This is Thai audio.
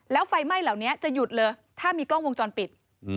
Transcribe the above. แล้วไฟไหม้เหล่านี้จะหยุดเลยถ้ามีกล้องวงจรปิด